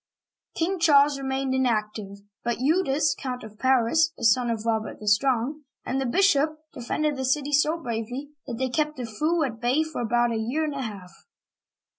King Charles remained inactive, but Eudes (ed), Count of Paris (a son of Robert the Strong), and the bishop, de fended the city so bravely that they kept the foe at bay for about a year and a half.